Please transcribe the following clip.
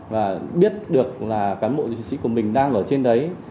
và biết được cán bộ sĩ của mình đang ở trên đấy